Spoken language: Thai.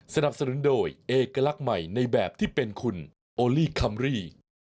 สนับสนุนโดยเอกลักษณ์ใหม่ในแบบที่เป็นคุณโอลี่คัมรี่